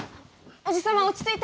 おじ様落ち着いて。